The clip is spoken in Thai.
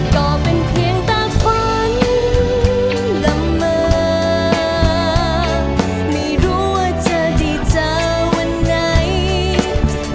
ก็เป็นเพียงตาขวัญละเมินไม่รู้ว่าจะได้เจอวันไหน